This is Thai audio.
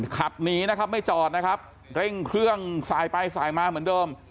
ขับหนีนะครับไม่จอดนะครับเร่งเครื่องสายไปสายมาเหมือนเดิม